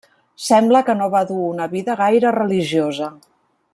Sembla que no va dur una vida gaire religiosa.